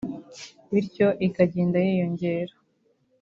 bityo ikagenda yiyongera